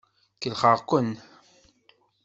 Kellxeɣ-ken.